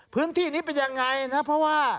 พื้นที่นี้เป็นอย่างไรนะเพราะว่า